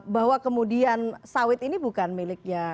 bahwa kemudian sawit ini bukan miliknya